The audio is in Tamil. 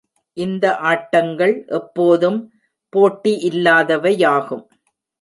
இந்த ஆட்டங்கள் எப்போதும் போட்டி இல்லாதவையாகும்.